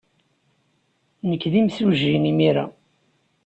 Nekk d imsujji imir-a.